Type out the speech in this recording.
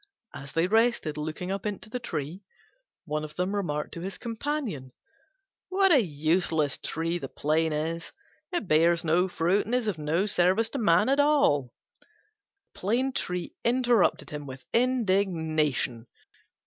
As they rested, looking up into the tree, one of them remarked to his companion, "What a useless tree the Plane is! It bears no fruit and is of no service to man at all." The Plane tree interrupted him with indignation.